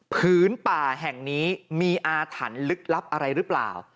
ผืนป่าแห่งนี้มีอาถรรพ์ลึกลับอะไรหรือเปล่า